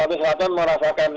pantai selatan merasakan